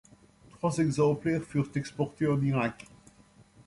Trois exemplaires furent exportés en Irak.